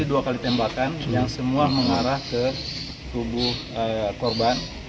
dua kali tembakan yang semua mengarah ke tubuh korban